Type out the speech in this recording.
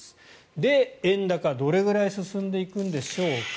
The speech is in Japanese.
で、円高、どれくらい進んでいくんでしょうか。